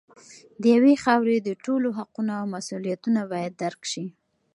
د یوې خاورې د ټولو حقونه او مسوولیتونه باید درک شي.